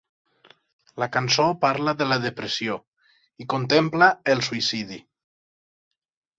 La cançó parla de la depressió i contempla el suïcidi.